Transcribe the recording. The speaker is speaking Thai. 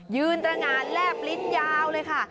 ตรงานแลบลิ้นยาวเลยค่ะ